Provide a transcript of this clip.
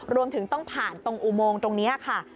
รวมถึงต้องผ่านตรงอุโมงตรงนี้ค่ะ